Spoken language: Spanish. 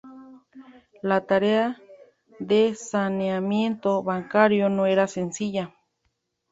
La tarea de saneamiento bancario no era sencilla.